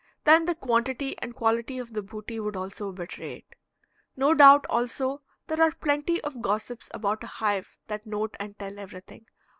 Then the quantity and quality of the booty would also betray it. No doubt, also, there are plenty of gossips about a hive that note and tell everything.